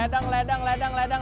ledang ledang ledang ledang